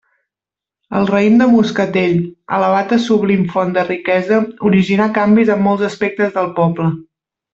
El raïm de moscatell, elevat a sublim font de riquesa, originà canvis en molts aspectes del poble.